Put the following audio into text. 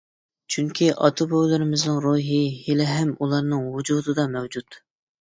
چۈنكى ئاتا-بوۋىلىرىمىزنىڭ روھى ھېلىھەم ئۇلارنىڭ ۋۇجۇدىدا مەۋجۇت.